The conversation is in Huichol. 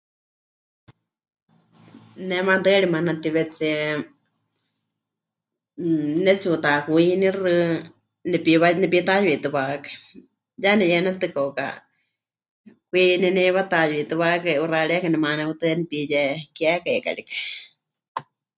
Ne maatɨari manatíwetsie, mmm, pɨnetsi'utakwinixɨ, nepiwa... nepitayuitɨ́wakai, ya neyɨanetɨ kauka kwi neneiwatayuitɨ́wakai, 'uxa'arieka nemanehɨtɨa nepiyekekai karikɨ.